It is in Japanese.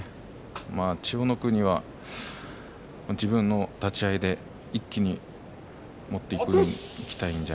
千代の国、立ち合いで一気に持っていきたいんじゃ